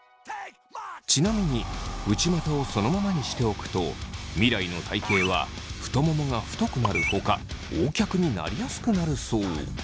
ちなみに内股をそのままにしておくと未来の体型は太ももが太くなるほかＯ脚になりやすくなるそう。